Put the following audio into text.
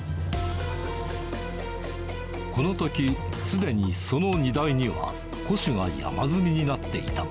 このとき、すでにその荷台には古紙が山積みになっていた。